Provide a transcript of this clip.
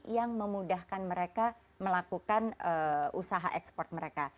yang memudahkan mereka melakukan usaha ekspor mereka